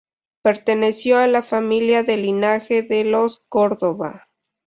Perteneció a la familia del linaje de los Córdoba.